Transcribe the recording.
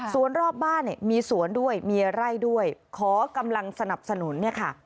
ส่วนรอบบ้านเนี่ยมีสวนด้วยมีไร่ด้วยขอกำลังสนับสนุนเนี่ยค่ะ